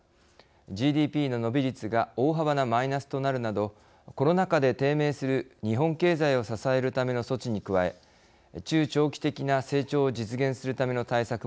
ＧＤＰの伸び率が大幅なマイナスとなるなどコロナ禍で低迷する日本経済を支えるための措置に加え中長期的な成長を実現するための対策も盛り込まれています。